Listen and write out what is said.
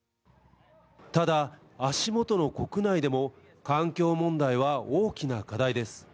ただ足元の国内でも、環境問題は大きな課題です。